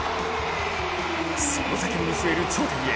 その先に見据える頂点へ。